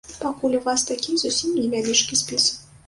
Пакуль у вас такі зусім невялічкі спіс.